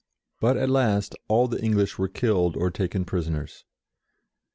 But at last all the English were killed or taken prisoners.